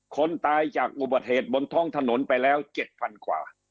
คนตายจากอุบัติเหตุบนท้องถนนไปแล้ว๗๐๐กว่า